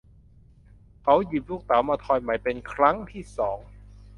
เขาหยิบลูกเต๋ามาทอยใหม่เป็นครั้งที่สอง